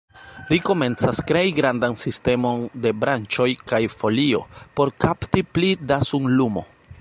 Ri komencas krei grandan sistemon de branĉoj kaj folio, por kapti pli da sunlumo.